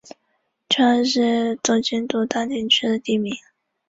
宏琳厝居住着黄姓家族。